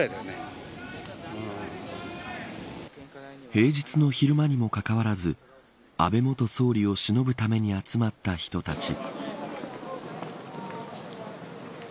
平日の昼間にもかかわらず安倍元総理をしのぶために集まった人たち。